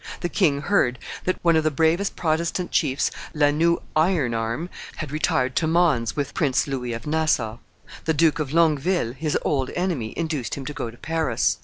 The king heard that one of the bravest Protestant chiefs, La Noue Ironarm, had retired to Mons with Prince Louis of Nassau. The Duke of Longueville, his old enemy, induced him to go to Paris.